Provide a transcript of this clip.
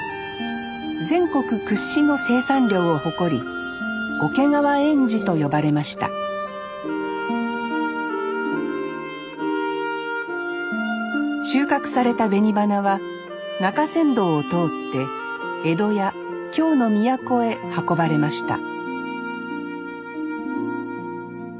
全国屈指の生産量を誇り桶川臙脂と呼ばれました収穫された紅花は中山道を通って江戸や京の都へ運ばれました